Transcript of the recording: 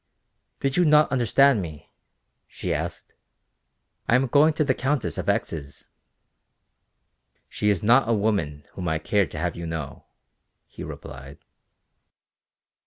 "Did you not understand me?" she asked. "I am going to the Countess of Ex's." "She is not a woman whom I care to have you know," he replied.